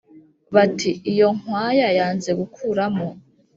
Bati: “Iyo nkwaya yanze gukuramo